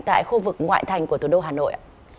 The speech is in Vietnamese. tại khu vực ngoại thành của thủ đô hà nội